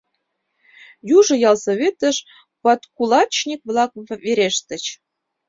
Южо ялсоветыш подкулачник-влак верештыч.